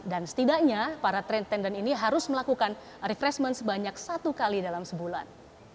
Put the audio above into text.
dan setidaknya para trend attendant ini harus melakukan refreshment sebanyak satu kali dalam sebulan